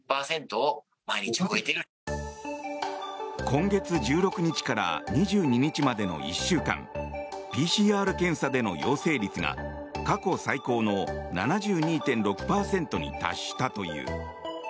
今月１６日から２２日までの１週間ＰＣＲ検査での陽性率が過去最高の７２．６％に達したという。